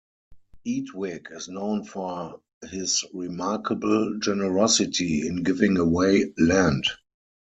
Eadwig is known for his remarkable generosity in giving away land.